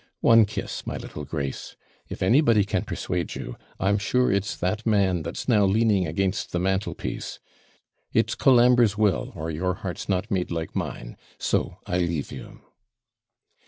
One kiss, my little Grace. If anybody can persuade you, I'm sure it's that man that's now leaning against the mantelpiece. It's Colambre's will, or your heart's not made like mine so I leave you.'